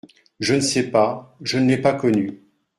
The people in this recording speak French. Je ne sais, je ne l’ai pas connu.